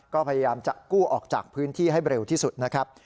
ก็พยายามจะกู้ออกจากพื้นที่ให้เร็วที่สุดนะครับ